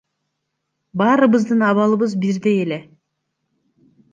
Баарыбыздын абалыбыз бирдей эле.